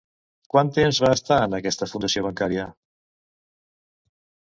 Quant temps va estar en aquesta fundació bancària?